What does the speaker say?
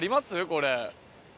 これ。